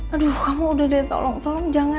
aduh kamu udah deh tolong tolong jangan